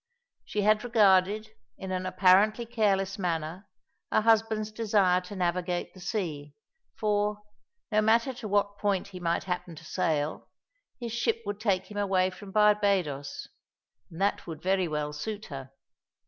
She had regarded, in an apparently careless manner, her husband's desire to navigate the sea; for, no matter to what point he might happen to sail, his ship would take him away from Barbadoes, and that would very well suit her.